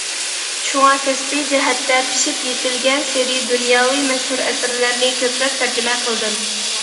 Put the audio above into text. شۇڭا، كەسپىي جەھەتتە پىشىپ يېتىلگەنسېرى دۇنياۋى مەشھۇر ئەسەرلەرنى كۆپلەپ تەرجىمە قىلدىم.